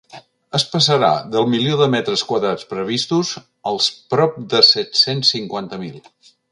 Es passarà del milió de metres quadrats previstos als prop de set-cents cinquanta mil.